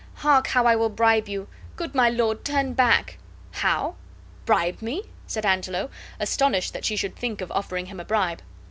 Hark, how I will bribe you. Good my lord, turn back!" "How! bribe me?" said Angelo, astonished that she should think of offering him a bribe.